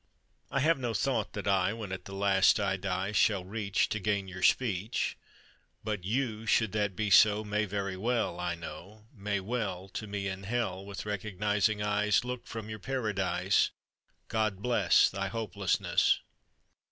I have no thought that I, When at the last I die, Shall reach To gain your speech. But you, should that be so, May very well, I know, May well To me in hell With recognising eyes Look from your Paradise "God bless Thy hopelessness!"